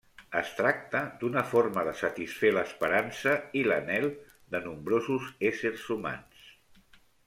Es tracta d'una forma de satisfer l'esperança i l'anhel de nombrosos éssers humans.